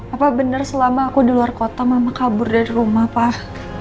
apa benar selama aku di luar kota mama kabur dari rumah pak